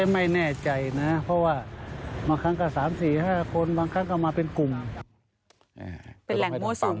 ไม่แน่ใจนะเพราะว่าบางครั้งก็๓๔๕คนบางครั้งก็มาเป็นกลุ่ม